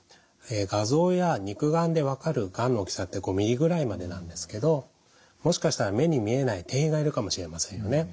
画像や肉眼で分かるがんの大きさって５ｍｍぐらいまでなんですけどもしかしたら目に見えない転移がいるかもしれませんよね。